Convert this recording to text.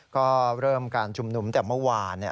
ก็เริ่มการชุมนุมแต่เมื่อวาน